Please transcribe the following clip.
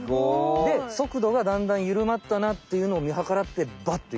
でそくどがだんだんゆるまったなっていうのをみはからってバッて。